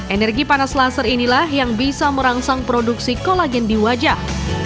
energi panas laser inilah yang bisa merangsang produksi kolagen di wajah